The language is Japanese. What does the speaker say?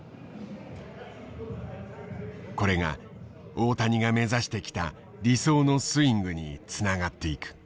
これが大谷が目指してきた理想のスイングにつながっていく。